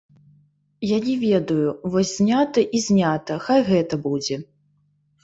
Я не ведаю, вось знята і знята, хай гэта будзе.